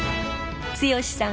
剛さん